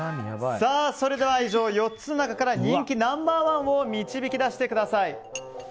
それでは、以上４つの中から人気ナンバー１を導き出してください。